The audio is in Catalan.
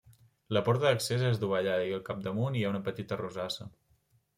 La porta d'accés és dovellada i al capdamunt hi ha una petita rosassa.